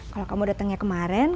kalau kamu datangnya kemarin